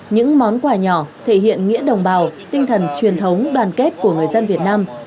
những món quà nhỏ thể hiện nghĩa đồng bào tinh thần truyền thống đoàn kết của người dân việt nam